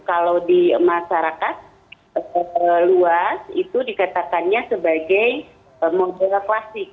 kalau di masyarakat luas itu dikatakannya sebagai model klasik